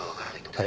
はい。